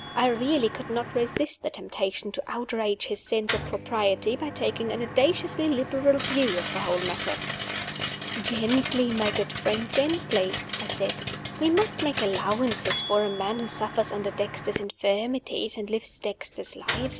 I really could not resist the temptation to outrage his sense of propriety by taking an audaciously liberal view of the whole matter. "Gently, my good friend, gently," I said. "We must make allowances for a man who suffers under Dexter's infirmities, and lives Dexter's life.